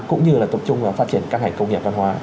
cũng như là tập trung vào phát triển các ngành công nghiệp văn hóa